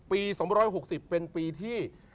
๒๖๐เป็นปีที่